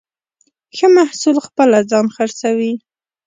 ښه محصول خپله ځان خرڅوي.